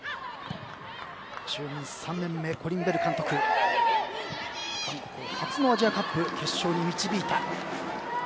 就任３年目のコリン・ベル監督は韓国初のアジアカップに導いた。